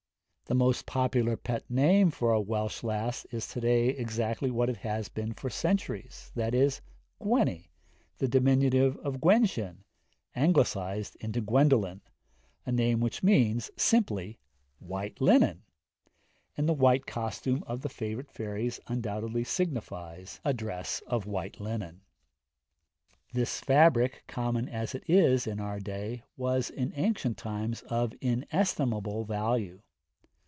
The most popular pet name for a Welsh lass is to day exactly what it has been for centuries, viz., Gwenny, the diminutive of Gwenllian (Anglicised into Gwendoline) a name which means simply white linen; and the white costume of the favourite fairies undoubtedly signifies a dress of white linen. This fabric, common as it is in our day, was in ancient times of inestimable value.